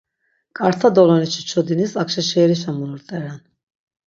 Ǩarta dolonişi çodinis Akşeşerişa mulurt̆eren.